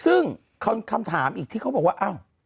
ซึ่งคำถามอีกที่เขาบอกว่าอ้าว